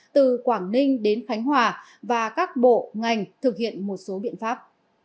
từ quảng ninh đến khánh hòa và các bộ ngành thực hiện một số biện pháp